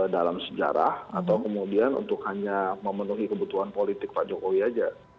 dalam sejarah atau kemudian untuk hanya memenuhi kebutuhan politik pak jokowi saja